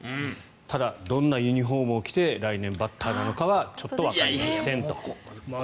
ただ、どんなユニホームを着て来年、バッターなのかはちょっとわかりませんと。